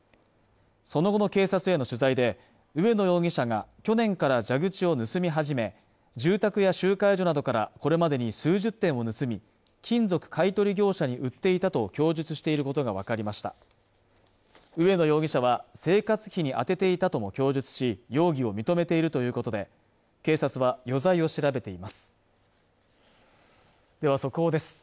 その後の警察への取材で上野容疑者が去年から蛇口を盗み始め住宅や集会所などからこれまでに数十点を盗み金属買い取り業者に売っていたと供述していることが分かりました上野容疑者は生活費に充てていたとも供述し容疑を認めているということで警察は余罪を調べていますでは速報です